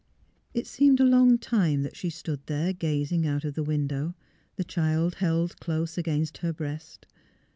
... It seemed a long time that she stood there gaz ing out of the window, the child held close against her breast.